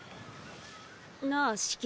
なぁシキ。